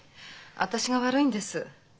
私が悪いんです。